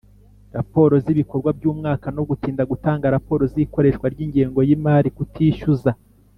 raporo z ibikorwa by umwaka no gutinda gutanga raporo z ikoreshwa ry ingengo y imari kutishyuza